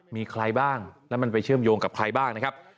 มีใครบ้างแล้วมันไปเชื่อมโยงกับใครบ้างนะครับ